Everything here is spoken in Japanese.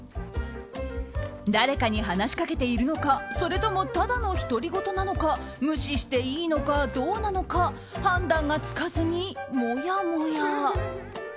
誰かに話しかけているのかそれとも、ただの独り言なのか無視していいのか、どうなのか判断がつかずにもやもや。